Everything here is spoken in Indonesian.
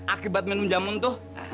akibat minum jamung tuh